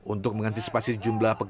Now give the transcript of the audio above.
untuk mengantisipasi jumlah pekerja